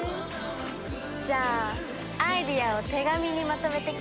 じゃあアイデアを手紙にまとめてきて。